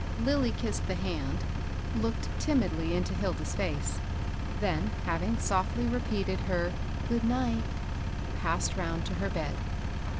Lilly kissed the hand, looked timidly into Hil da's face ; then, having softly repeated her " good night," passed round to her bed.